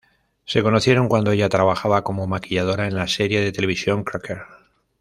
Se conocieron cuando ella trabajaba como maquilladora en la serie de televisión "Cracker".